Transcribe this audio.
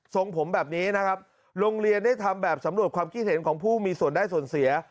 ส่งผมแบบนี้นะครับโรงเรียนได้ทำแบบสำรวจความคิดเห็นของผู้มีส่วนได้ส่วนเสีย